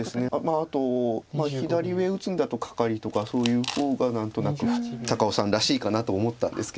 あと左上打つんだとカカリとかそういう方が何となく高尾さんらしいかなと思ったんですけれど。